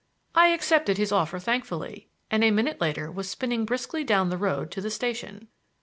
I accepted his offer thankfully, and a minute later was spinning briskly down the road to the station.